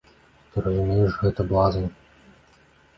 Ты разумееш гэта, блазан?